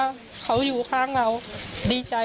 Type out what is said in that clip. หลังจากผู้ชมไปฟังเสียงแม่น้องชมไป